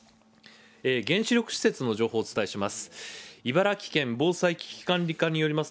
原子力施設の情報をお伝えします。